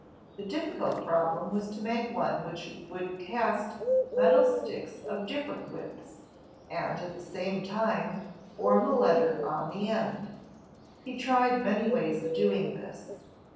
The difficult problem was to make one which would cast metal sticks of diSerent widths, and at the same time form a letter on the end. He tried many ways of doing this.